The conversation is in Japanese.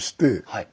はい。